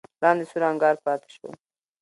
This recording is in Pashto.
لاندې سور انګار پاتې شو.